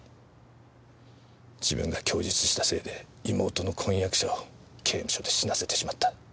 自分が供述したせいで妹の婚約者を刑務所で死なせてしまった。